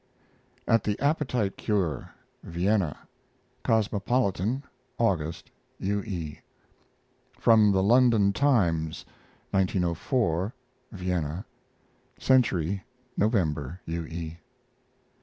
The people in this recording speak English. AT THE APPETITE CURE (Vienna) Cosmopolitan, August. U. E. FROM THE LONDON TIMES, 1904 (Vienna) Century, November. U. E.